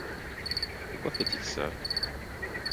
Pourquoi fat-il ça?